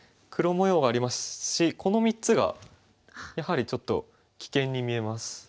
黒模様がありますしこの３つがやはりちょっと危険に見えます。